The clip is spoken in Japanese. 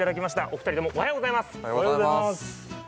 おはようございます。